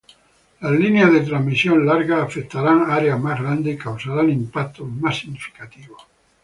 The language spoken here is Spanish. Las líneas de transmisión largas afectarán áreas más grandes y causarán impactos más significativos.